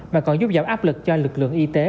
mà còn giúp giảm áp lực cho lực lượng y tế